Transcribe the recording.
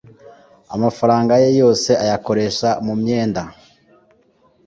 amafaranga ye yose ayakoresha mumyenda